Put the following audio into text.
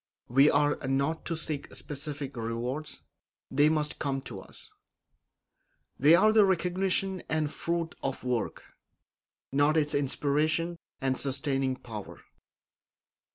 We are not to seek specific rewards; they must come to us. They are the recognition and fruit of work, not its inspiration and sustaining power.